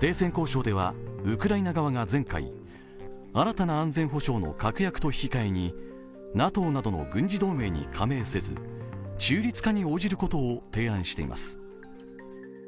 停戦交渉では、ウクライナ側が前回新たな安全保障の確約と引き換えにＮＡＴＯなどの軍事同盟に加盟せず、中立化に応じることを提案しています。